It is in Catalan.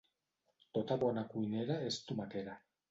Tota bona cuinera és tomaquera.